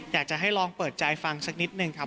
อยากจะให้ลองเปิดใจฟังสักนิดนึงครับ